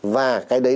và cái đấy